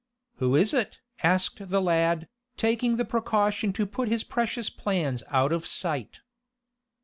"Who is it?" asked the lad, taking the precaution to put his precious plans out of sight.